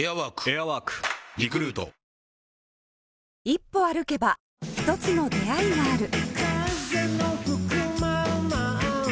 一歩歩けば一つの出会いがある